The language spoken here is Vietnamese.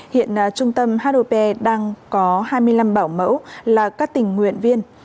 hiện trung tâm hop đang có hai mươi năm bảo mẫu là các tình nguyện viên